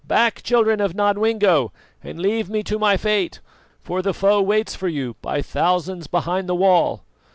"Back! children of Nodwengo, and leave me to my fate, for the foe waits for you by thousands behind the wall!"